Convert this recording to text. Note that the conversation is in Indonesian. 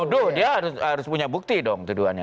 tuduh dia harus punya bukti dong tuduhannya